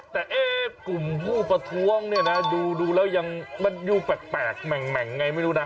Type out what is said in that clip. แต่กลุ่มผู้ประท้วงเนี่ยนะดูแล้วยังมันดูแปลกแหม่งไงไม่รู้นะ